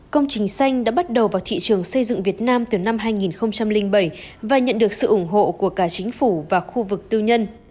công trình xanh đã bắt đầu vào thị trường xây dựng việt nam từ năm hai nghìn bảy và nhận được sự ủng hộ của cả chính phủ và khu vực tư nhân